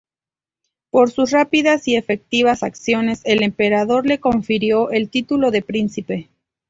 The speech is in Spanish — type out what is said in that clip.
Por sus rápidas y efectivas acciones, el emperador le confirió el título de Príncipe.